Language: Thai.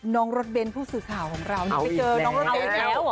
น้องฤเวนผู้สื่อข่าวของเราเราไม่ได้เจอน้องฤเวนอีกแล้ว